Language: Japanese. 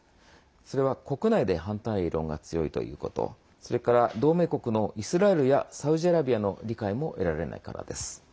それは国内で反対論が強いということそれから同盟国のイスラエルやサウジアラビアの理解も得られないからです。